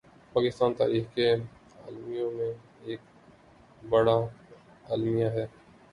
پاکستانی تاریخ کے المیوں میں یہ ایک بڑا المیہ ہے۔